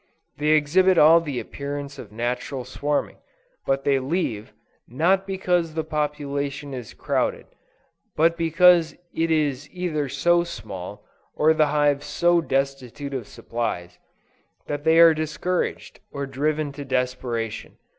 They exhibit all the appearance of natural swarming; but they leave, not because the population is crowded, but because it is either so small, or the hive so destitute of supplies, that they are discouraged or driven to desperation.